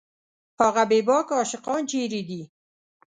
هغه بېباکه عاشقان چېرې دي